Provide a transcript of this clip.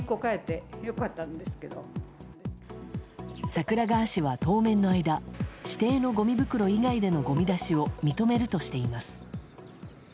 桜川市は当面の間指定のごみ袋以外でのごみ出しを認めるとしています。